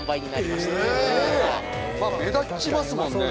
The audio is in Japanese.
まあ目立ちますもんね